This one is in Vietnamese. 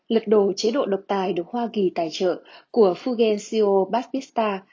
lực đổ chế độ độc tài được hoa kỳ tài trợ của fulgencio pazpista